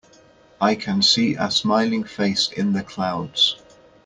I can see a smiling face in the clouds.